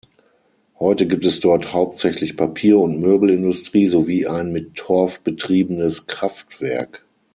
Heute gibt es dort hauptsächlich Papier- und Möbelindustrie sowie ein mit Torf betriebenes Kraftwerk.